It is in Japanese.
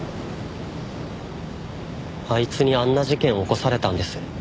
あいつにあんな事件を起こされたんです。